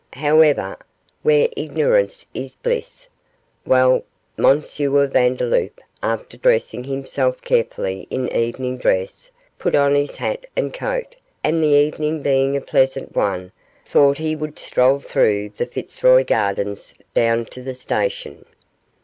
However, where ignorance is bliss well M. Vandeloup, after dressing himself carefully in evening dress, put on his hat and coat, and, the evening being a pleasant one, thought he would stroll through the Fitzroy Gardens down to the station.